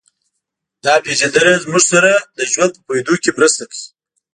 دا پېژندنه موږ سره د ژوند په پوهېدو کې مرسته کوي